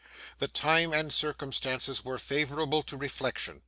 The time and circumstances were favourable to reflection.